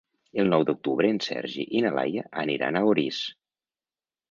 El nou d'octubre en Sergi i na Laia aniran a Orís.